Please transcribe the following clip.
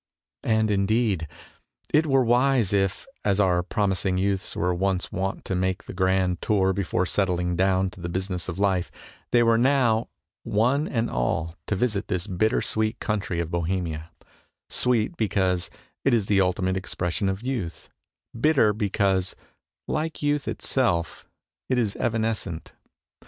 And, indeed, it were wise if, as our promis ing youths were once wont to make the Grand Tour before settling down to the busi ness of life, they were now, one and all, to visit this bitter sweet country of Bohe miasweet because it is the ultimate expres sion of youth, bitter because, like youth it self, it is evanescent.